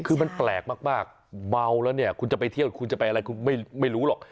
คือมันแปลกมากเมาแล้วเนี่ยคุณจะไปเที่ยวคุณจะไปอะไรคุณไม่รู้หรอก